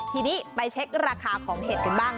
ทีนี้ไปเช็คราคาของเห็ดกันบ้าง